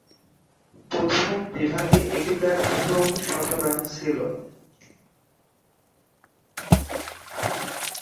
প্রথম বিভাগে এটি তার প্রথম শতরান ছিল।